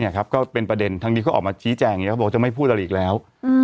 นี่ครับก็เป็นประเด็นทางนี้เขาออกมาชี้แจงเขาบอกว่าจะไม่พูดอะไรอีกแล้ว